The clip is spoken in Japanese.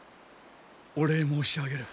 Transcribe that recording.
お礼申し上げる。